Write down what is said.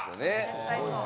絶対そう。